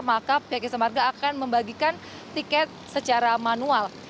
maka pihak jasa marga akan membagikan tiket secara manual